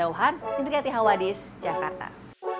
anda harus mengambil alat kesehatan